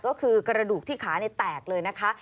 ก็คือกระดูกที่ขาแตกเลยนะคะ